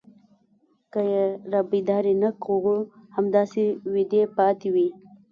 که يې رابيدارې نه کړو همداسې ويدې پاتې وي.